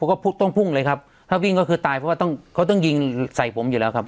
ก็ต้องพุ่งเลยครับถ้าวิ่งก็คือตายเพราะว่าต้องเขาต้องยิงใส่ผมอยู่แล้วครับ